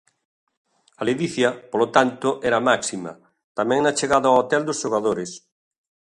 A ledicia, polo tanto, era máxima, tamén na chegada ao hotel dos xogadores.